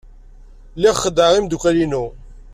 Lliɣ xeddɛeɣ imeddukal-inu.